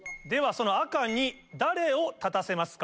その赤に誰を立たせますか？